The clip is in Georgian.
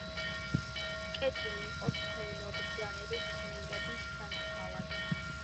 კეთილი იყოს თქვენი მობრძანება ჩემი მშვენიერი ქმნილების სანახავად.